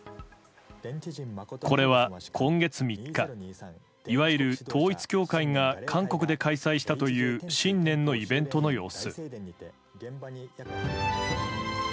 これは今月３日いわゆる統一教会が韓国で開催したという新年のイベントの様子。